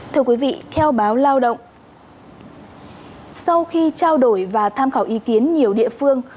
thưa quý vị theo báo lao động sau khi trao đổi và tham khảo ý kiến nhiều địa phương